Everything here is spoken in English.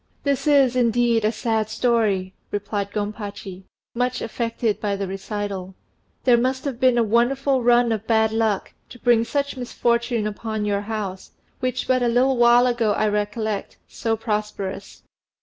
"This is, indeed, a sad story," replied Gompachi, much affected by the recital. "There must have been a wonderful run of bad luck to bring such misfortune upon your house, which but a little while ago I recollect so prosperous.